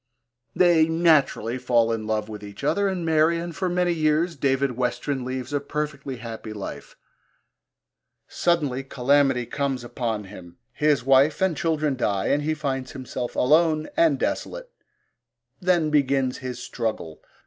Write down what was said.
They naturally fall in love with each other and marry, and for many years David Westren leads a perfectly happy life. Suddenly calamity comes upon him, his wife and children die and he finds himself alone and desolate. Then begins his struggle.